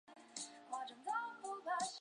莫热地区讷维。